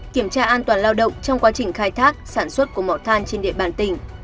kiểm tra an toàn lao động trong quá trình khai thác sản xuất của mỏ than trên địa bàn tỉnh